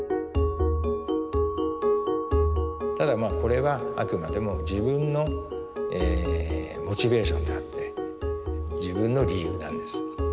ただこれはあくまでも自分のモチベーションであって自分の理由なんです。